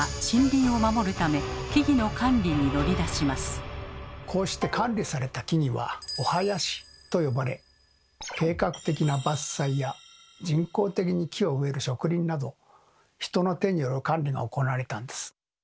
その結果幕府はこうして管理された木々は「御林」と呼ばれ計画的な伐採や人工的に木を植える植林など人の手による管理が行われたんです。